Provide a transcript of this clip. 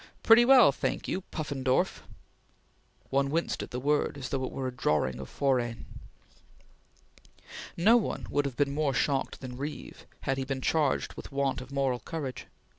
"Pretty well, thank you, Puffendorf!" One winced at the word, as though it were a drawing of Forain. No one would have been more shocked than Reeve had he been charged with want of moral courage.